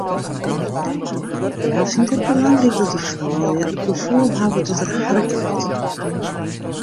Hja fynt it belangryk dat de froulju it gefoel hawwe dat der harke wurdt.